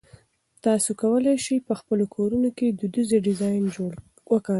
تاسي کولای شئ په خپلو کورونو کې دودیزه ډیزاین وکاروئ.